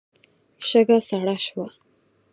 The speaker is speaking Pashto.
شګه سړه شوه.